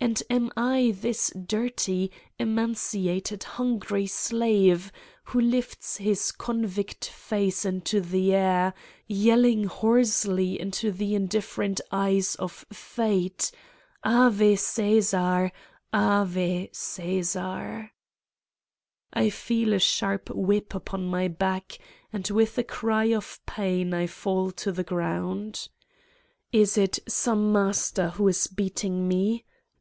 And am I this dirty, emaciated, hungry slave who lifts his 142 Satan's Diary convict face into the air, yelling hoarsely into the indifferent eyes of Fate :Ave, Caesar ! Ave, Caesar I ". I feel a sharp whip upon my back and with a cry of pain I fall to the ground. Is it some Master who is beating me?